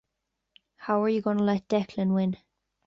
How are you gonna let Declan win?